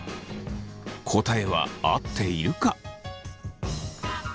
答えは合っているか？